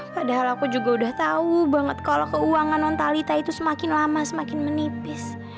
padahal aku juga udah tau banget kalo keuangan antalita itu semakin lama semakin menipis